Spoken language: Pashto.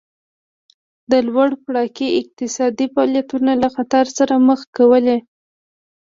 د لوړ پاړکي اقتصادي فعالیتونه له خطر سره مخ کولې